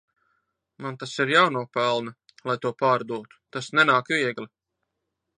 Man tas ir jānopelna lai to pārdotu, tas nenāk viegli.